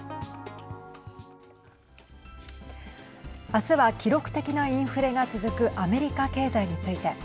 明日は記録的なインフレが続くアメリカ経済について。